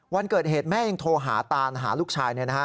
วันเกิดเหตุแม่ยังโทรหาตานหาลูกชาย